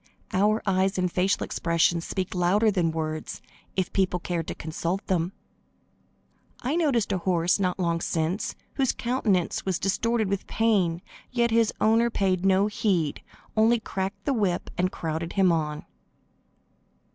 Our eyes and facial expressions speak louder than words, if only people cared to consult them. I noticed a horse, not long since, whose countenance was distorted with pain, yet his owner paid no heed, only cracked the whip and crowded him on.